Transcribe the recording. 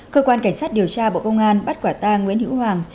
cơ quan cảnh sát điều tra bộ công an bắt quả tang nguyễn hữu hoàng